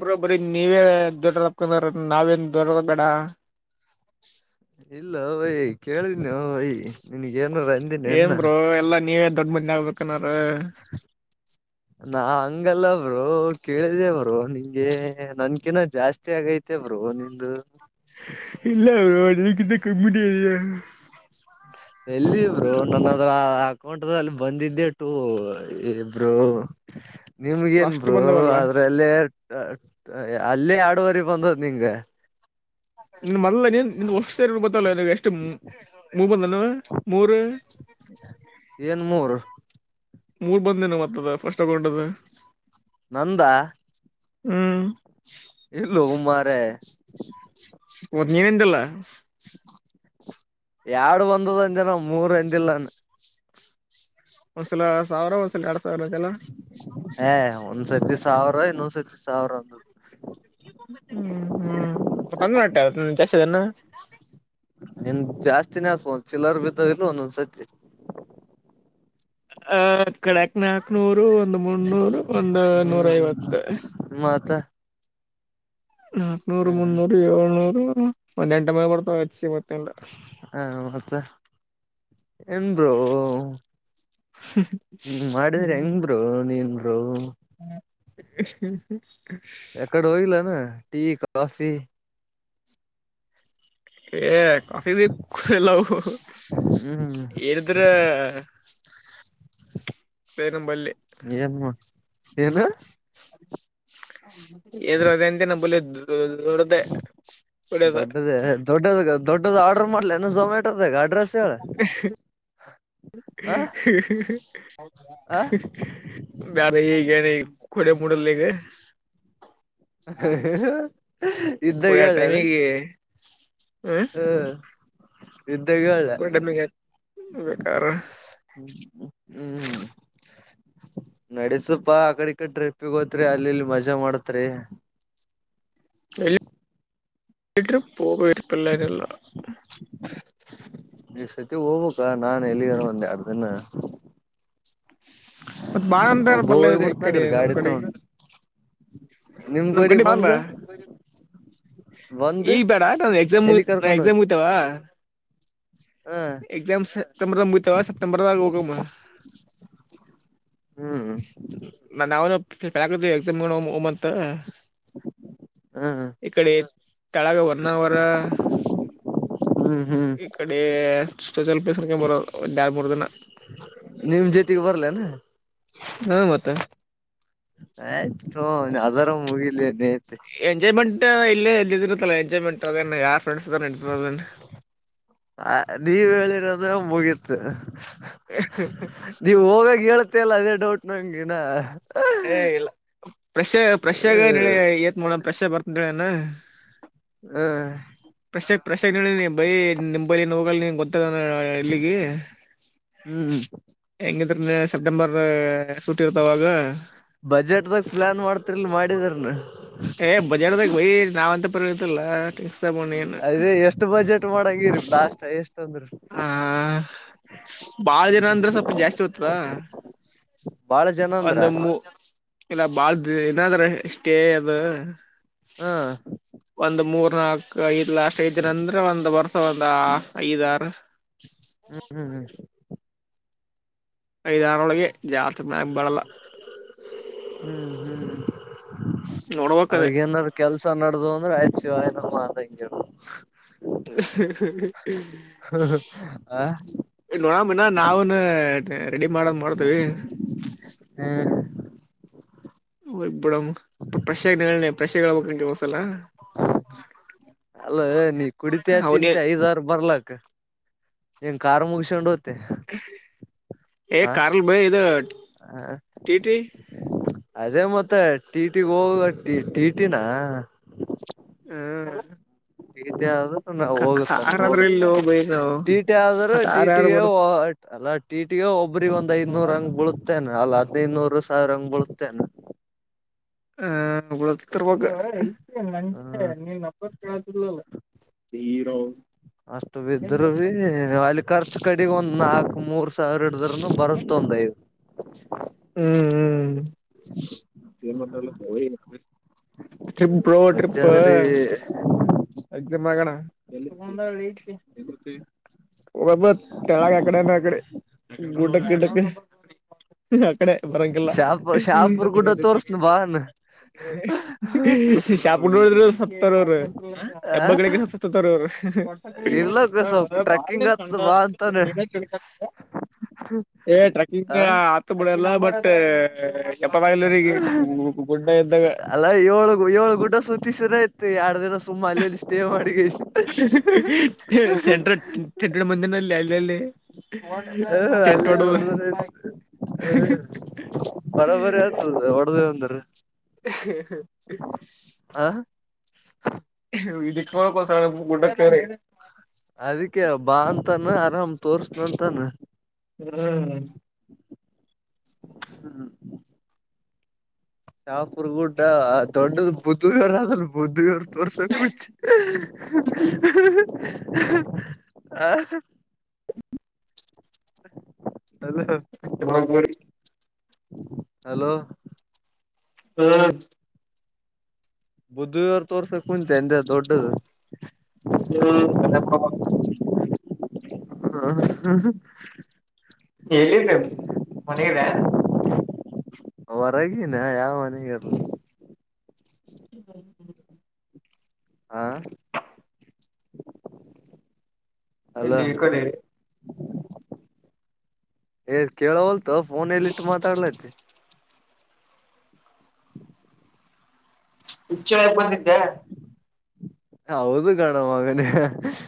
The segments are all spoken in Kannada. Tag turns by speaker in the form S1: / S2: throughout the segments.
S1: ಬ್ರೊಬ್ಬರಿ ನೀವೇ ದೊಡ್ಡಕ್ರ ನಾವೇನ್ ದೊಡ್ಡರ ಬೇಡ [inaudible]
S2: ಇಲ್ಲ ಭೈ ಕೇಳಿನೋ ಭೈ ನಿನಗೆ
S1: ಏನ್ ಬ್ರೋ ಎಲ್ಲಾ ನೀವೇ ದೊಡ್ ಮಂದಿ ಆಗ್ಬೇಕು ಅನ್ನಾರು
S2: ನಾ ಹಂಗಲ್ಲ ಬ್ರೋ ಕೇಳಿದೆ ಬ್ರೋ ನಿಂಗೆ ನನ್ಕಿನ ಜಾಸ್ತಿ ಆಗೈತಿ ತಿ ಬ್ರೋ ನಿಂದು
S1: ಇಲ್ಲ ಬ್ರೋ ನಿನಕಿಂತ ಕಮ್ಮಿನೆ [unintelligible]
S2: ಎಲ್ಲಿಬ್ರು ನನ್ನದ್ರ [unintelligible] ಕೋಂಟದ ಅಲ್ಲಿ ಬಂದಿದ್ದೆ ಟು ಬ್ರೋ ನಿಮ್ಗೇನ್
S1: ಅಷ್ಟು
S2: ಬ್ರೋ
S1: ಬಂದವಲ್ಲ
S2: ಅದ್ರಲ್ಲೆ ಅಲ್ಲೇ ಆರಡವರಿ ಬಂದದ್ ನಿಂಗೆ
S1: ನಿನ್ ಮಲ್ಲನ್ ನಿ ವರ್ಷ [unintelligible] ಎಷ್ಟು ಮೂವಂದನ್ನು ಮೂರು
S2: ಏನ್ ಮೂೂರು
S1: ಮೂರ್ ಬಂದಿನ ಮತ್ತತದ ಫಸ್ಟ್ ತಗೊಂಡದ
S2: ನಂದ
S1: ಹ್ಮ್
S2: ಇಲ್ವಾ ಮಾರಾಯ
S1: ಮತ್ ನೀವೆಂದಲ್ಲ
S2: ಎರಡು ಬಂದದೆ ಅಂದೆ ಮೂರ್ ಅಂದಿಲ್ಲ ನಾನು
S1: ಒಂದ್ಸಲ ಸಾವಿರ ಒಂದ್ಸಲ ಎರಡ್ ಸಾವಿರ ಅಂದ್ಲ್ಲ.
S2: ಏ ಒಂದ್ಸತಿ ಸಾವಿರ ಇನ್ನೋನ್ಸತಿ ಸಾವಿರ ಅಂದದು
S1: ಹ್ಮ್ ಹ್ಮ್ ತಂದಟ [unintelligible]
S2: ನಿಂದ ಜಾಸ್ತಿನೇ ಆಯ್ತ್ ಚಿಲ್ಲರು ಬಿದ್ದ ಇಲ್ ಒಂದೊಂದ್ ಸತಿ
S1: ಅ ಕಳಕ್ ನಾಕ್ನೂರು ಒಂದ್ ಮುನೂರು ಒಂದ ನೂರ
S2: ಹ್ಮ್
S1: ಐವತ್ತು
S2: ಮತ್ತ
S1: ನಕ್ನೂರು ಮುನ್ನೂರು ಏಳ್ನೂರು ಒಂದ್ ಎಂಟ ಮಲ್ ಬರ್ತಾವ ಹಚ್ಚಿ ಮತ್ತೆ
S2: ಹಾ ಮತ್ತೆ ಹೆಂದೊ ಹ್ಮ್ ಮಾಡಿದ್ರ ಹೆಂಗ್ ಬ್ರೋ ನೀನ್ ಬ್ರೋ
S1: ಹ್ಮ [inaudible]
S2: ಎಕ್ಕಡೆ ಹೋಗಿಲ್ವೇನೋ ಟೀ ಕಾಫಿ
S1: ಏ ಕಾಫಿ [unintelligible] ಎಲ್ಲವು
S2: ಹ್ಮ್
S1: ಎಿದ್ರ ಪೇನಂಬಲ್ಲಿ
S2: ಏನ್ ಏನು
S1: ಎದುರಗಂತ ನ ಬೋಲ
S2: ದೊಡ್ಡದೇ ದೊಡ್ಡದ ದೊಡ್ಡದು ಆರ್ಡರ್ ಮಾಡ್ಲನ ಝೊಮ್ಯಾಟೋದಾಗ ಅಡ್ರೆಸ್ ಹೇಳ ಆ ಆ
S1: ನಾನ ಕನ ಕಡೆ ಮೂಡಲ್ಲಿಗೆ
S2: ಇದ್ದಾಗ
S1: ಕೊಳಟೈಮಿಗೆ
S2: ಹ್ಮ್ ಇದ್ದಾಗ ಹೇಳ
S1: ಕುಡಿಯ ಟೈಮಿಗೆ ಬೇಕಾರ
S2: ಹ್ಮ್ ನಡತಪಾ ಆಕಡೆ ಕಡೆ ಟ್ರಿಪ್ಪಿಗ ಹೋತ್ರಿ ಅಲ್ಲಿ ಇಲ್ಲಿ ಮಜಾ ಮಾಡತ್ರಿ
S1: [unintelligible] ಟ ಪಬವಿಪಲ್ಲಲ್ಲ
S2: ಈ್ ಸತಿ ಹೋಗ್ಕ್ಕಾ ನಾನ್ ಎಲ್ಲಿಿದಾರ ಒಂದ್ ಎರಡ್ ದಿನ
S1: ಮತ್ತ ಬಾಳ ಅಂತ
S2: ಒಬ್ಬ
S1: ಬಲ್ಲ ಇದೆ ಈ
S2: ಹೋಗ್ಬಿಡ್ತನ
S1: ಕಡೆ
S2: ಅಕಡೆ
S1: ನಮ್
S2: ಗಾಡಿ
S1: ಕಡೆ
S2: ತಗೊಂಡ್ ನಿಮ್ ಕಡಿ ಬಂದು
S1: ಈಗ್ ಬೇಡ ನಾ ಎಕ್ಸಾಮ್
S2: ಎಲ್ಲಿ
S1: ನಾ
S2: ಕರ್ಕೊಂಡ ಹೋಗಿ
S1: ಎಕ್ಸಾಮ್ ಹತಾವ
S2: ಹ
S1: ಎಾಮ ಸ್ಟಂಬ ಮುತ ಸಪ್ಟೆಂಬರ್ಗ ಗಮ್ಮ
S2: ಹ್ಮ್
S1: ನಾವನು ಎಕ್ಸಾಮ್ ಮಾಡ ಓ ಮಂತ
S2: ಹಾ
S1: ಕೆಳಗೆ ಒನ್ ಅವರ್
S2: ಹ್ಮ್ ಹ್ಮ್
S1: ಈ ಕಡೆ ಸೊಚಲ್ ಪ್ಲಸ್ಕ ಬರ ಡ ಬರುದನ
S2: ನಿಮ್ ಜೊತೆಗ್ ಬರ್ಲೇನ
S1: ಹ ಮತ್ತೆ
S2: ಆ ಅದರ ಮುಗಿಲ್ಲನೆ
S1: ಎಂಜಾಯ್ಮೆಂಟ್ ಇಲ್ಲೇ ಎದ್ದಿದ್ರರು ತಲಾ ಎಂಜಾಯ್ಮೆಂಟ್ ಅದ ಯಾರ್ ಫ್ರೆಂಡ್ಸ್ ಇದ ನದ
S2: ಹ ನೀವ್ ಹೇಳಿರೋದ್ರ ಮುಗಿತ್ತು ನೀವ ಹೋಗಾಗ ಹೇಳೇತ್ತೆಲ್ಲ ಅದೇ ಡೌಟ್ ನಂಗಗೆಿನ
S1: ಏ ಇಲ್ಲಫ್ರೆಶ್ ಫೆಶ್ ಆಗ ಏತ್ ಮಾಡೋಡ ಪ್ರ್ರೆಶ್ ಬರ್ತನ
S2: ಹ್ಮ್
S1: ಪ್ರಸೇಕ್ ಪ್ರೆಸೇಕ್ ನೀ ಬೈ ನಿಮ್ೈ ಏ ಹೋಗಲ್ ಗೊತ್ತ ಎಲ್ಲಿಗೆ
S2: ಹ್ಮ್
S1: ಹೆಂಗಿದ್ರ ಸೆಪ್ಟೆಂಬರ್ ಸೂಟ್ಿ ಇರ್ತಾವಾಗ
S2: ಬಜೆಟ್್ದಾಗ ಪ್ಲಾನ್ ಮಾಡ್ತರಿಲ್ ಮಾಡಿದಾರನು
S1: ಏ್ ಬಜಾರ್ದಾಗ ಬೈ ನಾವ್ ಅಂತ ಪರಿವತ್ತಲ್ಲ
S2: ಅದೇ ಎಷ್ಟ್ ಬಜೆಟ್ ಮಾಡಂಗಿರಿ ಲಾಸ್ ಎಷ್ಟ ಅಂದ್ರ
S1: ಆ ಬಾಳ ಜನ ಅಂದ್ರೆ ಸ್ವಲ್ಪ ಜಾಸ್ತಿ ಹತವಾ
S2: ಬಾಳ ಜನ ಅಂದ್ರ
S1: ಇಲ್ಲ ಬಾಳ್ದ ಏನಾದ್ರ ಇಷ್ಟೇ ಅದು
S2: ಹ್ಮ
S1: ಒಂದ್ ಮೂರ್ ನಾಲ್ಕ್ು ಐದ್ ಲಸ್ ಏಜ್ ಅಂದ್ರೆ ಒಂದ್ ಬರ್ತ ಒಂದ ಐದಾರ
S2: ಹ್ಮ್ ಹ್ಮ್ ಹ್ಮ್
S1: ಐದಾರೊಳಗೆ ಜಾತ್ ಮಗ್ ಬಡಲ್ಲ
S2: ಹ್ಮ್ ಹ್ಮ್
S1: ನೋಡ್ಬೇಕದೇ
S2: ಅವಾಗ ಏನಾದ್ರು ಕೆಲ್ಸ ನಡ್ದ ಅಂದ್ರೆ ಆಯ್ತು ಮಾತಗೆ
S1: ಹ
S2: ಹ
S1: ನೋಡಾಮಿನ ನಾಾವನ್ ರೆಡಿ ಮಾಡದ ಮಾಡ್ತೇವಿ ಹೋಗ ಬಿಡಮ್ ಪ್ರೆಶೆಾಗನೆ ಪ್ರೆಶಾಗ ಹೇಳ್ಬಬೇಕುಂಟ ಹೊಸಲ
S2: ಅಲ್ಲ ನೀ ಕುಡಿತ
S1: ಅವನೇ
S2: ತಿಂತೆ ಐದ್ಾರ ಬರ್ಲಕ್ ನ್ ಕಾರ್ ಮುಗಿಸೊಂಡ
S1: ಏ ಕಾಲು ಬ ಬರಿ ಇದು
S2: ಹ
S1: ಟಿ ಟಿ
S2: ಅದೇ ಮತ್ತೆ ಟಿಟಿಗೆ ಹೋಗಟ ಟಿಟಿನ
S1: ಹ್ಮ್
S2: ಹಗಿದ್ದ ಅದು ನಾವು ಹೋಗುತ್ತ ಅಷ್ಟು
S1: ಕಾರ್ ಆದ್ರ
S2: ಹೋಗುತ್ತ
S1: ಎಲ್ಲಿ ಹೋಗ್ಬೇಕು ನಾವು
S2: ಟೀಟಿ ಆದ್ರೂ
S1: ಕಾರ್ ಯಾರ್
S2: ಟೀಟಿಗೆ ಅಲ್ಲ ಟೀಟಿಗೆ ಒಬ್ರ ಒಂದ ಐದನೂರ ಹಂಗ್
S1: ಬರು
S2: ಬಳತೇನೆ ಅಲ್ಲ ಹದ್ನೈದುನೂರು ಸಾವಿರ ಹಂಗ್ ಬಳತೇನೆ
S1: ಹ್ಮ ನಂಜೆ
S2: ಹ್ಮ
S1: ನೀನ್ ನರ್ ಕೇಳದಿಲ್ಲಲ್ಲ [inaudible] ಹೀರೋ
S2: ಅಷ್ಟು ಬಿದ್ರ ಬಿೀ ಅಲ್ಲಿ ಖರ್ಚ ಕಡಿ ಒಂದ್ ನಾಕು ಮೂರ್ ಸಾವಿರ ನಡ್ರನು ಬರುತ್ತ ಒಂದದ ಐದು
S1: ಹ್ಮ್ ಹ್ಮ್ ಏನ್ ಮಾಡ್ತಿದ್ದೆ ಬೋಳಿಮಗನೆ ಟ್ರಿಪ್
S2: ಮಜದ್ರಿ
S1: [inaudible] ಎಕ್ಸಾಮ್ ಆಗಣ [inaudible] ಬರಬ ತಳಾಗಕಡೆ ನ ಅಕಡೆ ಗುಟಕಟಕ ಕಡೆ ಬರಂಗಲ್ಲ [inaudible]
S2: ಶಾಪ್ ಶಾಪುರ್ ಗುಡ್ಡ ತೋರ್ಸನ ಬಾ ಅನ್
S1: ಶಾಪುಡ್ಿದ [inaudible] ತ್ತರೋರ ಹೆಬ್ಬಗಳಿಗೆ ಸತ್ತ ಅವರು
S2: ಇರ್ಲಕ್ಕ ಸ್ವಲ್ಪ ಟ್ರೆಕ್ಕಿಂಗ್ ಆತದ
S1: ಬಾ
S2: ಅಂತಾನ
S1: [inaudible] ಏ ಟ್ರೆಕ್ಕಿಂಗ್ ಹತ್ ಬಿಡಲ್ಲ ಬಟ್ ಎಪ್ಪದಾಗಲರಿಗೆ ಗುಡ್ಡ ಇದ್ದಾಗ
S2: ಅಲ್ಲ ಏಳು ಏಳ ಗುಟ ಸುಚಿಸ ರ ಎರಡು ದಿನ ಸುಮ್ಮ ಅಲ್ಲಲ್ಲಿ ಸ್ಟೇ ಮಾಡಿಗೆ ಇಷ್ಟ
S1: ಸೆಂಟ್ರ ಟೆಂಟ್ ಮಂದಿನಲ್ಲಿ ಅಲ್ಲಿ ಅಲ್ಲಿ
S2: ಹ
S1: ಟೆಂಟ್
S2: ಅಲ್ಲಿಲ್ಲಿ
S1: ಹೊಡದು
S2: ನೋಡದ್ರ ಆಯ್ತ ಹ ಬರಬರಿ ಆತದ ಹೊಡದ ಅಂದ್ರ
S1: ಹ ಹ
S2: [unintelligible]
S1: [unintelligible]
S2: ಎಲ್ಲವನ್ನು ತೋರಿಸ್ತಾನ್ ತಾನೆ
S1: ಹ್ಮ್
S2: ಹು ಹು ಶಾಪುರ್ ಗುಡ್ಡ ದೊಡ್ಡದ ಬುದ್ಧಗರು ಅದ ಬುದ್ಧಗರು [unintelligible]
S1: [unintelligible]
S2: ಹಲೋ
S1: ತಿಮ್ಮಕ್ಕೂರಿ
S2: ಹಲೋ
S1: ಹು
S2: ಬುದ್ಧವರ್ ತೋರ್ಸಕ್ ಕುಂತೆ ಏನ್ [unintelligible] ದೊಡ್ಡದು
S1: ಹ್ಮ್ ಅದೇ ಮಾಡ್ಬೇಕು
S2: ಹು
S1: ಎಲ್ಲಿದ್ದ ಮನದೆ [unintelligible]
S2: ಹೊರಗಿನ ಯಾವ ಮನೆಗೆರ್ಲ್ಲ
S1: [unintelligible]
S2: ಹಾ [unintelligible] ಅಲೋ
S1: ಎಲ್ಲಿ ಈ ಕಡಿ
S2: ಏ ಕೇಳೋವಲ್ತ ಫೋನ ಎಲ್ಲಿ ಇಟ್ಟು ಮಾತಾಡ್ಲಾ ತಿ
S1: ಊಚೆ ಹೊಯಕ್ ಬಂದಿದ್ದೆ [unintelligible]
S2: ಹೌದು ಕಣೋ ಮಗನೆ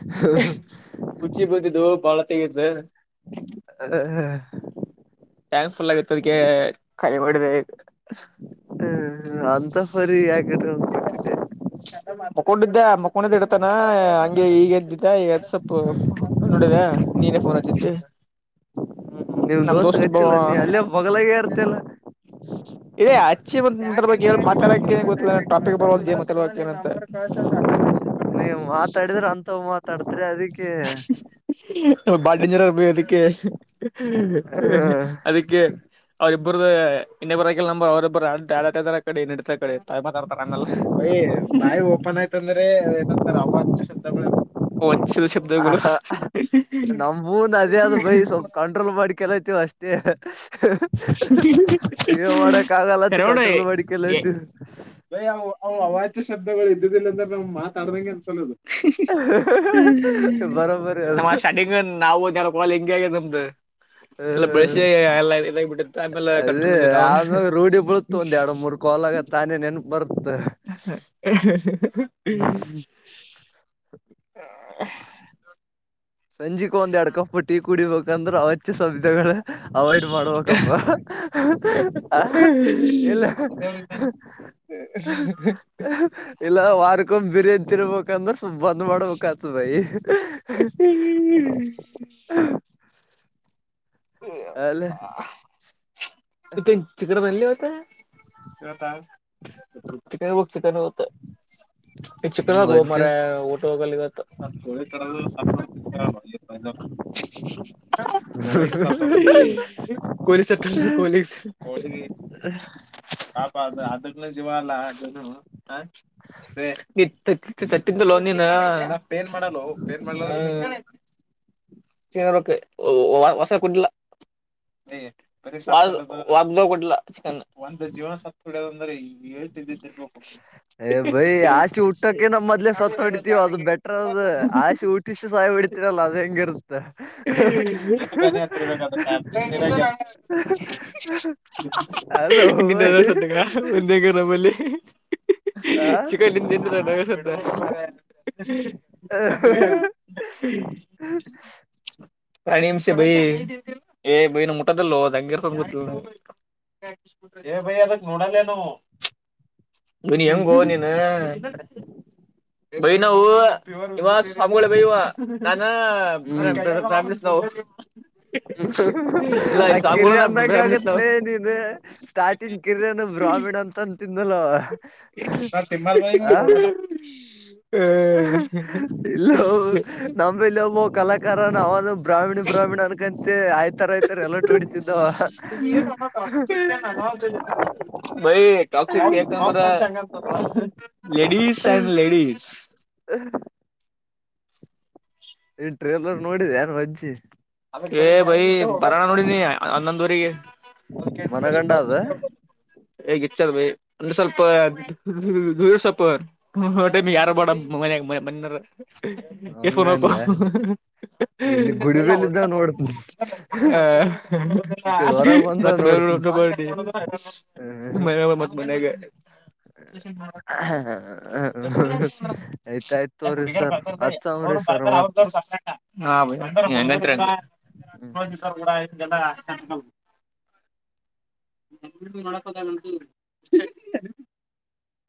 S1: [unintelligible]
S2: ಹಾ ಹಾ
S1: ಟ್ಯಾಂಕ್ ಫುಲ್ ಆಗಿತ್ತ ಅದ್ಕ್ಕೆ ಖಾಲಿ ಮಾಡಿದೆ
S2: ಹೂ ಅಂತ ಫರಿ ಯಾಕ ಇಟ್ಕೊಂಡ ಕುಂತಿದೆ
S1: ಮಕೊಂಡಿದ್ದೆ ಮಕೊಂಡಿದ್ದ ಇಡತಾನ ಹಂಗೆ ಈಗ ಎದ್ದಿದ್ದೆ ಈಗ ಎದ ಸ್ವಲ್ಪ [unintelligible] ನೋಡಿದೆ ನೀನೇ ಫೋನ್ ಹಚ್ಚಿದಿ
S2: ನಿಮ್ ದೋಸ್ತರಿಗೆ ಹಚ್ಚಿಲ್ಲ ಏನ್ ನೀ ಅಲ್ಲೇ ಬಗಲಾಗ ಇರ್ತಿ ಅಲ್ಲಾ
S1: ಏ ಅಚ್ಚಿ ಬ ಮಾತಾಡಕಕ್ಕೆ ಗೊತ್ತಿಲ್ಲ ಟಾಪಿಕ್ ಬರ ಜ ಮಾತಾ [unintelligible] [unintelligible]
S2: ನೀ ಮಾತಾಡಿದ್ರೆ ಅಂತವು ಮಾತಾಡ್ತ್ರೆ ಅದಕ್ಕೆ
S1: ಬಾಳ ಡೇಂಜರ್ ಬೇ ಅದಕ್ಕೆ ಅದಕ್ಕೆ [unintelligible] [unintelligible] ಬೈ ಬಾಯ್ ಓಪನ್ ಆಯ್ತ ಅಂದ್ರೆ ಏನಂತಾರ್ ಅವಾಚ್ಯ ಶಬ್ದ ಗೋಳೆ
S2: ಹ ನಮಂಬೂನ್ ಅದೇ ಅದ ಬೈ ಸ್ವಲ್ಪ ಕಂಟ್ರೋಲ್ ಮಾಡಿ ಕಲೈತಿವ ಅಷ್ಟೇ ಏನು ಮಾಡಕ್ಕ ಆಗಲ್ಲ ಅಂತ ಕಟ್ರೋಲ್ ಮಾಡಿ ಕಲ್ಯಾತೆವ್
S1: ಬಯ್ ಅವ ಅವು ಅವಾಚ್ಯ ಶಬ್ದಗಳು ಇದ್ದುದಿಲ್ಲ ಅಂದುರ್ ನಮಗ ಮಾತಾಡ್ದಂಗೆ ಅನ್ಸಲೋದು
S2: ಬರೋಬರಿ
S1: ನಮ್ಮ
S2: ಅದು
S1: ಸ್ಟಾರ್ಟಿಂಗ್ ನಾವುಾರ ಬಾಲ ಹಿಂಗೆ ಆಗ್ಯದ ನಮ್ದ ಎಲ್ಲ ಬೆಳಸಿ
S2: ಹ್ಮ್
S1: ಎಲ್ಲ ಇದಬಟ್ಟ ಆಮೇಲೆ
S2: ಅದೇ
S1: ಕಂಟ್ರೋಲ್ಂದೇವಿ ನಾವನು
S2: ಆಮ್ಯಾಗ ರೂಢಿ ಬೀಳುತ್ತ ಒಂದ್ ಎರಡ್ ಮೂರ್ ಕಾಲ್ ಆಗ ತಾನೇ ನೆನ್ಪ ಬರುತ್ತ
S1: [unintelligible] [unintelligible]
S2: ಸಂಜಿಕ ಒಂದ್ ಎರಡ್ ಕಪ್ ಟೀ ಕುಡಿಬೇಕಂದ್ರೆ ಅವಾಚ್ಯ ಶಬ್ದಗಳು ಅವಾಯ್ಡ್ ಮಾಡ್ಬೇಕಪ್ಪ ಇಲ್ಲ ಇಲ್ಲ ಪಾರ್ಕೊಡ್ ಬಿರಿಯಾನಿ ತಿನ್ಬೇಕಂದ್ರೆ ಸ ಬಂದ್ ಮಾಡ್ಬೇಕ ಆಯ್ತುದ್ [unintelligible] ಅಲ್ಲ
S1: ತಿಕಡ ಬನ್ಲಿ ಹೊತ ನತ್ತ [unintelligible] ಈ ಚಿಕ್ಕದು
S2: ವಜ್ಜ
S1: ಮರ ಊಟ ಹೋಗ ಇತ್ತು ಕೊರಿ ಸೆಟ್ಟ [unintelligible] [unintelligible] ಅದು ಅದನು ಜವ ಅಲ್ಲ ಅನು ಹ ತತ್ತಿದ್ದೋ ನೀನ್ ಚ ಹೊಸ ಕುಟ್ಟಿಲ್ಲ ಒಬ್ದ ಕೊಟ್ಟಲ ಒಂದು ಜೀವನ ಸತ್ ಹೊಡ್ಯದ ಅಂದ್ರೆ ಈ ವ ತಿ ಕೊು [unintelligible]
S2: ಏ ಬೈ ಆಸೆ ಹುಟ್ಟಕೆ ನಮ್ ಮದ್ಲೆೇ ಸತ್ತ ಹೊಡಿತೀವ ಅದು ಬೆಟರ್ ಅದ್ ಆಸೆ ಹುಟ್ಟಿಸಷ್ಟ ಸಹಾಯ ಹೊಿತವಿ ಲ್ಲ ಅದು ಹೆಂಗ ಇರುತ್ತೆ
S1: ನಿ ಸತಕ್ಕ ಒಂದೆಗ ನಮ್ಮಲ್ಲಿ
S2: ಆ
S1: ಚಿಿಕಂಡಿಂದಿಂದೋಡ ನ [unintelligible] ಪ್ರಾಣಿ ಹಮಷೆ ಬೈ ಏ ಬೈನ ಮುಟದಲ್ಲೋ ದಂಂಗಗೆರ್ಕೊಂಡ್ ಗೊತ್ತಿಲ್ಲವು ಏ ಭಯಿ ಅದಕ್ ನೋಡಲ್ಲೇ ನವು ಬನ್ಿ ಹೆಂಗೋ ನೀನು ಬೈ ನಾವು [unintelligible] ಇಾಮುಗಳ ಬ ಇ
S2: ಹ್ಮ್
S1: ನಾನವು [inaudible]
S2: ಆ
S1: ಸ್ವಾಮಿಗಳ
S2: ಕಿರಿಯ
S1: ನಾ
S2: ಅಂದಂಗ
S1: ಬ್ರಾಹ್ಮಿಣ್ಸ್
S2: ಆಗತ್ಲ
S1: ನಾವು
S2: ನೀನು ಸ್ಟಾರ್ಟಿಂಗ್ ಕಿರಿಯನ ಬ್ರ ಕಾವಡ್ ಅಂತಂತಿಂದಲ [unintelligible]
S1: ಹ ತ
S2: ಇಲ್ಲ ನಂಬ ಇಲ್ಲಿ ಒಬ್ಬ ಕಲಾಕಾರ ನಾವದ ಬ್ರಾಹ್ಮಣ ಬ್ರಾಹ್ಮಿಣ ಅನ್ಕಂತೆ ಆಯ್ತಾರ ಆಯ್ತಾರ ಎಲ್ಲ ಹೊಡಿತಿದ್ದವ
S1: ಭೈ ಕ್ಸ ೇಡಿಸ್ ಎಂಡ್ ಲೇಡಿಜ [unintelligible]
S2: ಈ ಟ್ರೇಲರ್ ನೋಡಿದೆ ಯಾರು ಅಜ್ಜಿ
S1: ಹ ಬೈಿ ಬರಣ ನೋಡಿನಿ ಅನ್ನಂದೂರಿಗೆ
S2: ಮನಗಂಡ ಅದ
S1: ಹೇಗ ಇಚ್ಚದ ಭೈ ಒಂದ ಸ್ವಲ್ಪ ದೂ ಸ್ವಲ್ಪಟಮ ಯಾರು ಬಡ ಮ ಮ ಕೆಸ್ನ್ ಹಕ
S2: ಹಂಗಂದೆ ಇಲ್ಲಿ
S1: ಎಲ್ಲ
S2: ಗುಡಿಬಲ್ ಇದ್ದ
S1: ಹ
S2: ನೋಡ್ತನಿ ಈ ಕಡೆ ಹೊರ ಬಂದ
S1: ಮತ್ತ ಬ ು
S2: ನೋಡ್ತನಿ
S1: ಮ ಮತ ಮನಗ [unintelligible]
S2: ಆಯ್ತಾಯ್ತು ತೋರಿ
S1: ಹುಡುಗಾರ್
S2: ಸರ್
S1: ಬರ್ತಾರ
S2: ಹಚ್ಚವ್ರಿ
S1: ಅವರು ಬರ್
S2: ಸರ್ ಮತ್
S1: ಅವ [inaudible]
S2: ಹ್ಮ್.
S1: ಲ್ಲ ಚ [inaudible] ಎ ಮಾಡಕದಂತ [unintelligible]